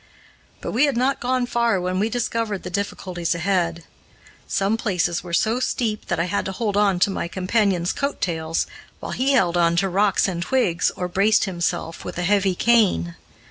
But we had not gone far when we discovered the difficulties ahead. Some places were so steep that I had to hold on to my companion's coat tails, while he held on to rocks and twigs, or braced himself with a heavy cane.